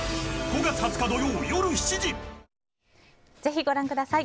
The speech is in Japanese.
ぜひご覧ください。